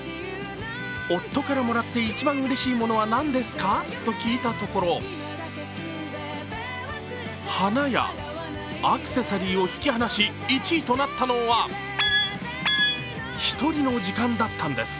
夫からもらって一番うれしいものは何ですか？と聞いたところ、花やアクセサリーを引き離し１位となったのは一人の時間だったんです。